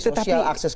akses kepada informasi